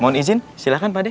mohon izin silahkan pakde